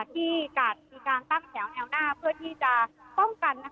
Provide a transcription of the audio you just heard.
ที่ตั้งเนื้อหน้าเพื่อที่จะป้องกัน